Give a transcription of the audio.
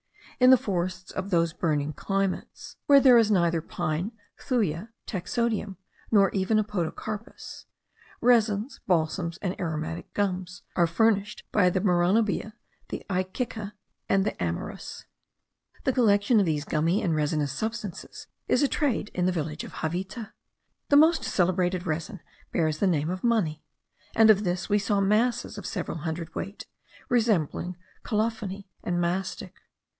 In the forests of those burning climates, (where there is neither pine, thuya, taxodium, nor even a podocarpus,) resins, balsams, and aromatic gums, are furnished by the maronobea, the icica, and the amyris. The collecting of these gummy and resinous substances is a trade in the village of Javita. The most celebrated resin bears the name of mani; and of this we saw masses of several hundred weight, resembling colophony and mastic.